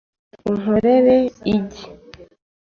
Unkorere igi .